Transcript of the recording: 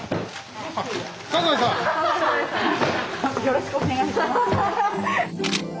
よろしくお願いします。